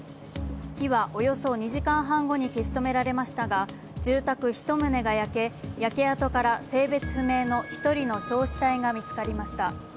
火はおよそ２時間半後に消し止められましたが住宅１棟が焼け、焼け跡から性別不明の１人の焼死体が見つかりました。